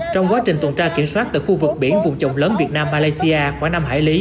trong quá trình tuần tra kiểm soát tại khu vực biển vùng chồng lớn việt nam malaysia